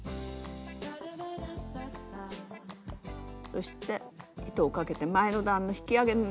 そして糸をかけて前の段の引き上げ